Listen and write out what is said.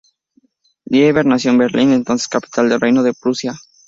Lieber nació en Berlín, entonces capital del reino de Prusia.